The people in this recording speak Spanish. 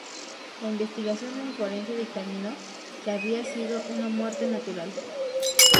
La investigación de un forense dictaminó que había sido una muerte natural.